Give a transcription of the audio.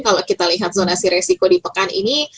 kalau kita lihat zonasi resiko di pekan ini